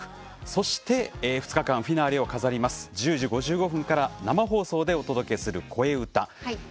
そして、この２日間のフィナーレを飾るのは１０時５５分から生放送でお届けする「こえうた」です。